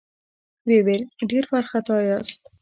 ويې ويل: ډېر وارخطا ياست؟